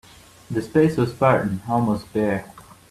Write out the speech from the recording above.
The space was spartan, almost bare.